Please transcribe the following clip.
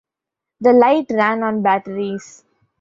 The light ran on batteries.